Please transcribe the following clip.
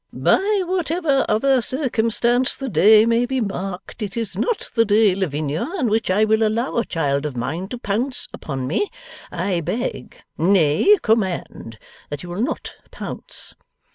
'By whatever other circumstance the day may be marked, it is not the day, Lavinia, on which I will allow a child of mine to pounce upon me. I beg nay, command! that you will not pounce.